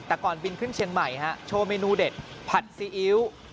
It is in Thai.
แต่ก่อนบินขึ้นเชียงใหม่ฮะโชว์เมนูเด็ดผัดซีอิ๊ว